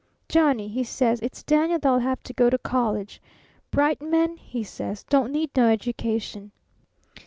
"'Johnny,' he says, 'it's Daniel that'll have to go to college. Bright men,' he says, 'don't need no education.'"